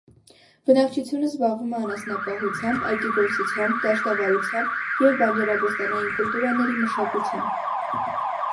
Բնակչությունն զբաղվում է անասնապահությամբ, այգեգործությամբ, դաշտավարությամբ և բանջարաբոստանային կուլտուրաների մշակությամբ։